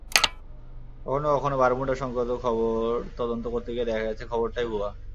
কখনো কখনো বারমুডা-সংক্রান্ত খবর তদন্ত করতে গিয়ে দেখা গেছে, খবরটাই ভুয়া।